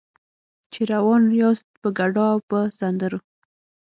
چې روان یاست په ګډا او په سندرو.